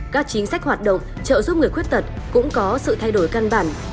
các chính sách hoạt động trợ giúp người khuyết tật cũng có sự thay đổi căn bản